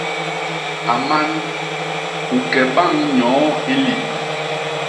A man, u ke bañ nyoo i lip.